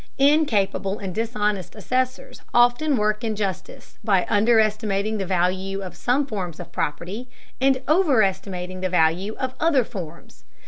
Incapable and dishonest assessors often work injustice by underestimating the value of some forms of property, and overestimating the value of other forms.